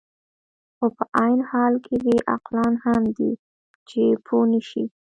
خو په عین حال کې بې عقلان هم دي، چې پوه نه شي.